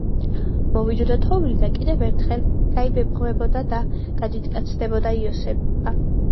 მოვიდოდა თოვლი და კიდევ ერთხელ გაიბებღვებოდა და გადიდკაცდებოდა იოსება.